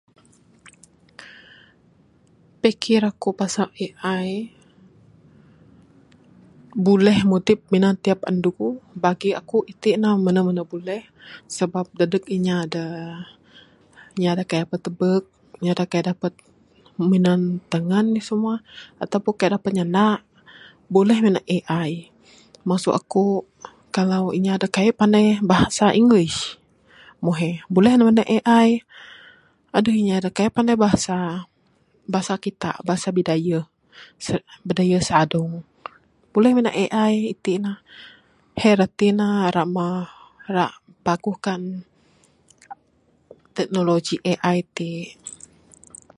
Pikir akuk pasal AI, buleh mudip minan tiap andu. Bagi akuk iti' ne, menu menu buleh sebab dadeg inya da, inya da kai dapat tebuk, da kai dapat minan tangan simua atau pun da' kai dapat nyandak, buleh ne nan AI. Maksuh akuk, kalau inya da' kai'k pandai bahasa Inggris, mung hei buleh ne mina AI. Aduh inya da kai' pandai bahasa, bahasa kitak, bahasa Bidayuh, se Bidayuh Sadong, Buleh minan AI iti' ne. Hei rati ne ma, rak paguhkan teknologi AI ti'.